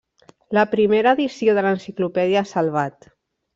La primera edició de l'Enciclopèdia Salvat.